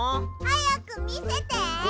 はやくみせて。